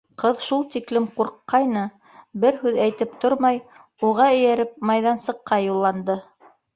Ҡыҙ шул тиклем ҡурҡҡайны, бер һүҙ әйтеп тормай, уға эйәреп майҙансыҡҡа юлланды.